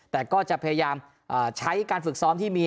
แต่ก็จะพยายามใช้การฝึกซ้อมที่มี